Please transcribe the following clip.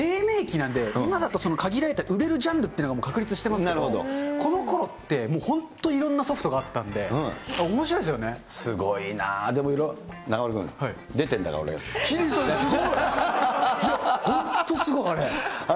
なんで今だと限られた売れるジャンルって確立してますけど、このころって、本当いろんなソフトがあったんで、おもしろすごいなー、でもいろいろ、いや、本当すごいあれ。